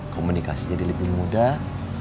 komunikasi jadi lebih mudah